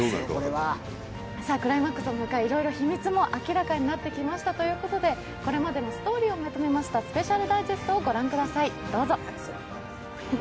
クライマックスを迎え、いろいろ秘密も明らかになってきたところで、これまでのストーリーをまとめましたスペシャルダイジェストを御覧ください、どうぞ。